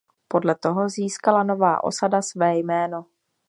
Podle toho získala nová osada své jméno.